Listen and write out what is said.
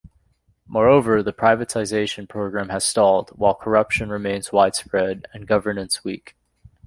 Moreover, the privatization program has stalled, while corruption remains widespread and governance weak.